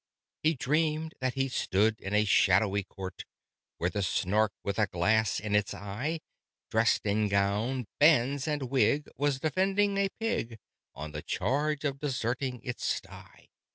He dreamed that he stood in a shadowy Court, Where the Snark, with a glass in its eye, Dressed in gown, bands, and wig, was defending a pig On the charge of deserting its sty.